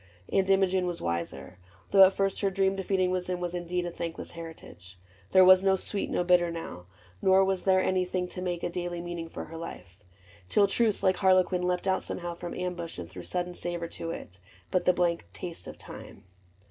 And Imogen was wiser; though at first Her dream defeating wisdom was indeed A thankless heritage : there was no sweet, No bitter now ; nor was there anything To make a daily meaning for her life — Till truth, like Harlequin, leapt out somehow From ambush and threw sudden savor to it — AUNT IMOGEN 113 But the blank taste of time.